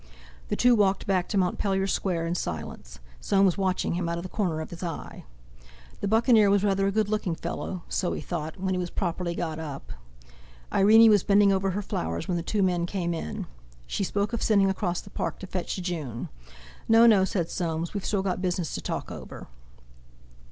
The two walked back to Montpellier Square in silence, Soames watching him out of the corner of his eye. The Buccaneer was rather a good looking fellow—so he thought—when he was properly got up. Irene was bending over her flowers when the two men came in. She spoke of sending across the Park to fetch June. "No, no," said Soames, "we've still got business to talk over!"